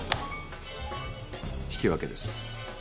引き分けです。